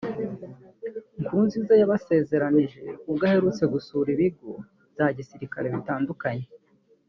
Nkurunziza yakabasezeranyije ubwo aherutse gusura ibigo bya gisirikare bitandukanye